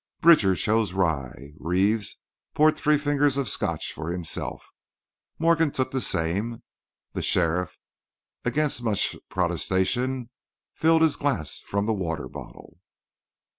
Bridger chose rye, Reeves poured three fingers of Scotch for himself, Morgan took the same. The sheriff, against much protestation, filled his glass from the water bottle.